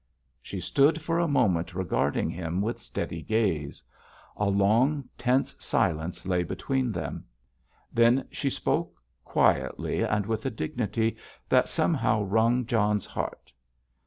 She stood for a moment regarding him with steady gaze. A long, tense silence lay between them. Then she spoke, quietly, and with a dignity that somehow wrung John's heart.